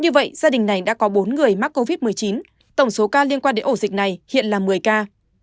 như vậy gia đình này đã có bốn người mắc covid một mươi chín tổng số ca liên quan đến ổ dịch này hiện là một mươi ca